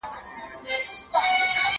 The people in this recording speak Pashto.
زه هره ورځ مينه څرګندوم،